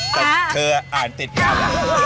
แต่เธออ่านติดงาน